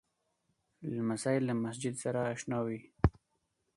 لمسی له مسجد سره اشنا وي.